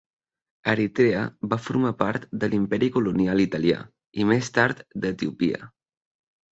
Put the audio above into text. Eritrea va formar part de l'Imperi colonial italià i més tard d'Etiòpia.